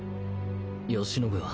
慶喜は。